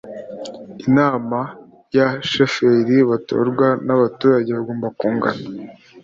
inama ya sheferi batorwa n abaturage bagomba kungana